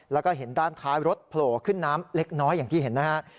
แล้วก็เห็นด้านท้ายรถโผล่ขึ้นน้ำเล็กน้อยอย่างที่เห็นนะฮะ